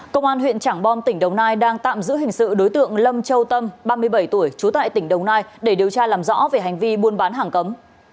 công an huyện trảng bom tỉnh đồng nai đang tạm giữ hình sự đối tượng lâm châu tâm ba mươi bảy tuổi trú tại tỉnh đồng nai để điều tra làm rõ về hành vi buôn bán hàng cấm